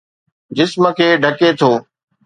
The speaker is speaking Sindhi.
جسم کي ڍڪي ٿو